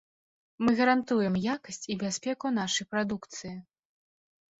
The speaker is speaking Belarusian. Мы гарантуем якасць і бяспеку нашай прадукцыі.